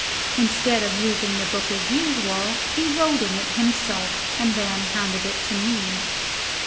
Instead of using the book as usual, he wrote in it himself, and then handed it to me.